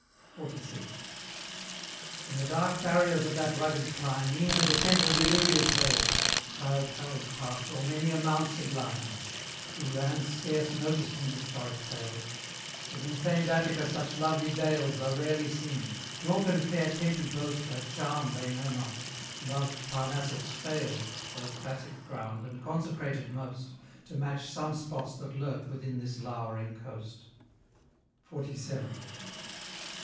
XLVI. From the dark barriers of that rugged clime, E'en to the centre of Illyria's vales, Childe Harold passed o'er many a mount sublime, Through lands scarce noticed in historic tales: Yet in famed Attica such lovely dales Are rarely seen; nor can fair Tempe boast A charm they know not; loved Parnassus fails, Though classic ground, and consecrated most, To match some spots that lurk within this lowering coast. XLVII.